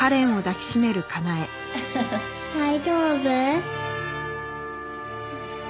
大丈夫？